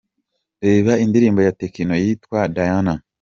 Reba indirimbo ya Tekno yitwa ’Diana’:.